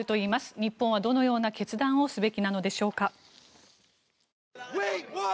日本はどのような決断をすべきなのでしょうか。